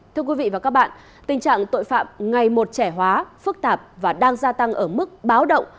thưa quý vị và các bạn tình trạng tội phạm ngày một trẻ hóa phức tạp và đang gia tăng ở mức báo động